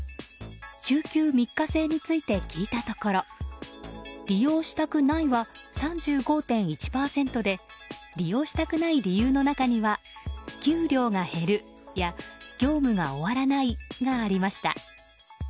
週休３日制について聞いたところ利用したくないは３５．１％で利用したくない理由の中には給料が減るや業務が終わらないがありました。